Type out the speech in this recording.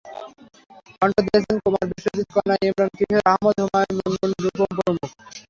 কণ্ঠ দিয়েছেন কুমার বিশ্বজিৎ, কনা, ইমরান, কিশোর, আহমেদ হুমায়ূন, মুনমুন, রূপম প্রমুখ।